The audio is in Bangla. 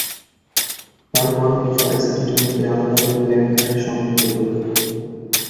তার পরও কিছু আইসিটি যন্ত্রে আলাদা করে ল্যান কার্ড সংযুক্ত করতে হয়।